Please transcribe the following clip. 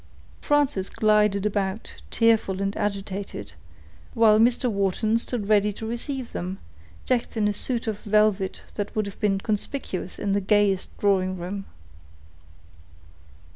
Frances glided about, tearful and agitated, while Mr. Wharton stood ready to receive them, decked in a suit of velvet that would have been conspicuous in the gayest drawing room.